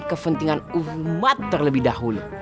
kepentingan umat terlebih dahulu